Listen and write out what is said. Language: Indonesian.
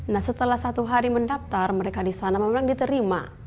nah setelah satu hari mendaftar mereka di sana memang diterima